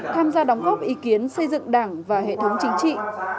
tham gia đóng góp ý kiến xây dựng đảng và hệ thống chính trị